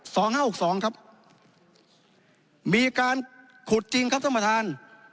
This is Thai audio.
สองห้าหกสองครับมีการขุดจริงครับท่านประธาน